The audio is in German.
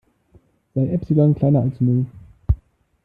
Sei Epsilon kleiner als Null.